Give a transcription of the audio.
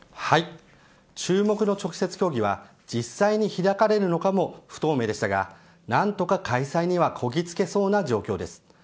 はい、注目の直接協議は実際に開かれるのかも不透明でしたが何とか開催にはこぎつけそうな状況です。